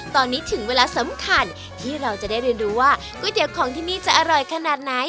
ตอนนี้ถึงเวลาสำคัญที่เราจะได้เรียนรู้ว่าก๋วยเตี๋ยวของที่นี่จะอร่อยขนาดไหน